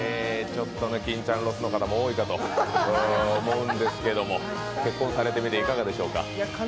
きんちゃんロスの方も多いんじゃないかと思うんですが結婚されてみていかがでしょうか？